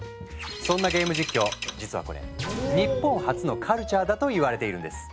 そんなゲーム実況実はこれ日本発のカルチャーだといわれているんです。